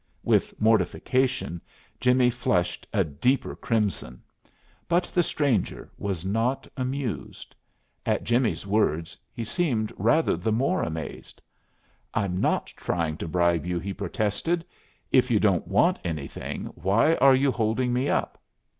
With mortification, Jimmie flushed a deeper crimson. But the stranger was not amused. At Jimmie's words he seemed rather the more amazed. "I'm not trying to bribe you," he protested. "If you don't want anything, why are you holding me up?"